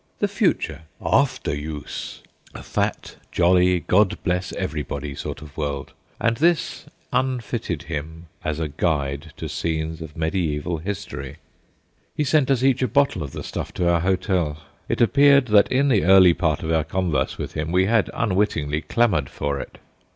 The Future ("After Use") a fat, jolly, God bless everybody sort of world; and this unfitted him as a guide to scenes of mediaeval history. He sent us each a bottle of the stuff to our hotel. It appeared that in the early part of our converse with him we had, unwittingly, clamoured for it.